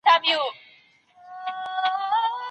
که ښوونکی غوسه سي نو ماشومان بیریږي.